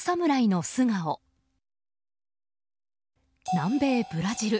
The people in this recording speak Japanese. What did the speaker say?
南米ブラジル。